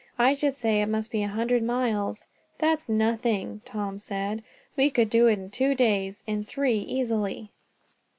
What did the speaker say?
I should say it must be a hundred miles." "That's nothing!" Tom said. "We could do it in two days, in three easily."